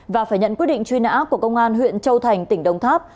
và phải nhận quyết định truy nã của công an huyện châu thành tỉnh đồng tháp